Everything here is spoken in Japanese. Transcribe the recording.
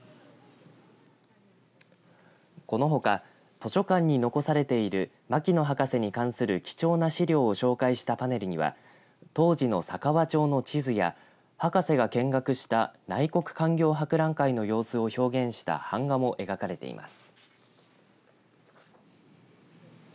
このほか図書館に残されている牧野博士に関する貴重な資料を紹介したパネルには当時の佐川町の地図や博士が見学した内国勧業博覧会の様子を表現した版画も描かれています。